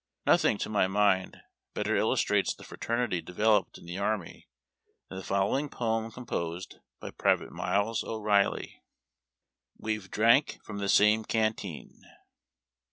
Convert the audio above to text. Nothing, to my mind, better illustrates the fraternity developed in the army than the following poem, composed by Private Miles O'Reilly: — WE'VE DRANK FROM THE SAME CANTEEN.